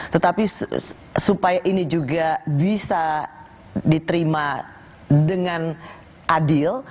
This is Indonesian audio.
tetapi supaya ini juga bisa diterima dengan adil